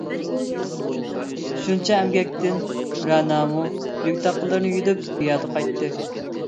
شۇنچە ئەمگەكتىن رەنامۇ يۈك-تاقلىرىنى يۈدۈپ پىيادە قايتتى.